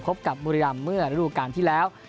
พบกับบุรีดามเมื่อรูปการณ์ที่แล้ว